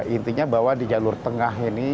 intinya bahwa di jalur tengah ini